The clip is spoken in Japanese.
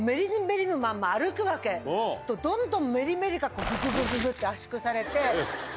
どんどんメリメリが。って圧縮されて。